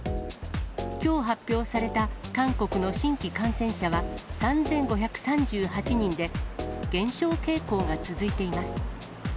きょう発表された韓国の新規感染者は３５３８人で、減少傾向が続いています。